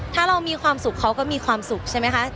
ถ้าเรามีความสุขเขาก็มีความสุขใช่ไหมคะ